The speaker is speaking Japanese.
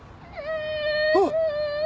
あっ！